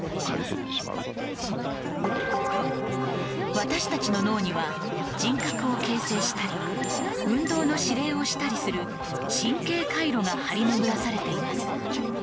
私たちの脳には人格を形成したり運動の指令をしたりする神経回路が張り巡らされています。